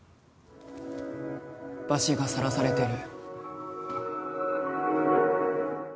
バシがさらされてる。